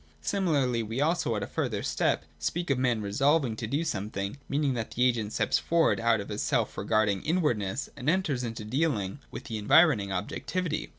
Similarly we also at a further step speak of a man 'resolving' to do something, meaning that the agent steps forward out of his self regarding inwardness and enters into dealings with the environing objectivity.